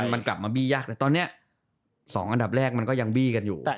มันกลับมาบี้ยากแต่ตอนนี้๒อันดับแรกมันก็ยังบี้กันอยู่